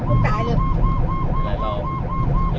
ผู้ชีพเราบอกให้สุจรรย์ว่า๒